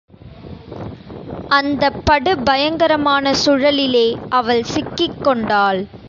அந்தப் படு பயங்கரமான சுழலிலே அவள் சிக்கிக் கொண்டாள்.